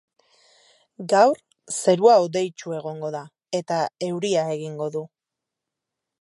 Gaur zerua hodeitsu egongo da eta euria egingo du.